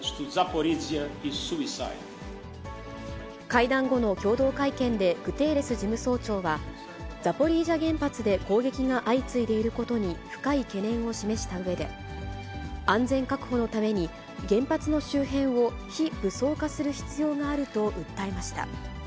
会談後の共同会見でグテーレス事務総長は、ザポリージャ原発で攻撃が相次いでいることに深い懸念を示したうえで、安全確保のために、原発の周辺を非武装化する必要があると訴えました。